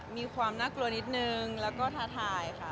มีความน่ากลัวนิดนึงแล้วก็ท้าทายค่ะ